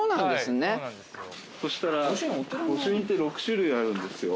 そしたら御朱印って６種類あるんですよ。